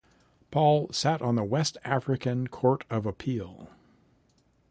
Paul sat on the West African Court of Appeal.